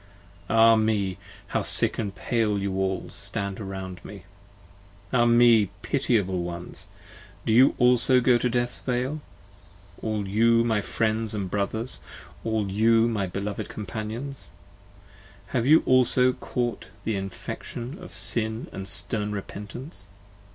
Ah me! how sick & pale you all stand round me! Ah me! pitiable ones! do you also go to death's vale? All you my Friends & Brothers, all you my beloved Companions: 75 Have you also caught the infection of Sin & stern Repentance?